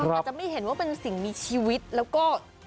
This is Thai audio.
อาจจะไม่เห็นว่าเป็นสิ่งมีชีวิตแล้วก็